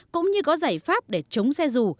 cũng như có giải pháp để chống xe rù